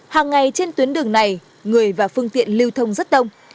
hàng ngày trên tuyến đường này người và phương tiện lưu thông rất đông